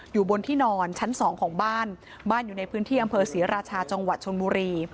อยู่บนที่นอนชั้นสองของบ้านบ้านอยู่ในพื้นที่อำเภอศรีราชาจังหวัดชนบุรี